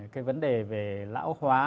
cái vấn đề về lão hóa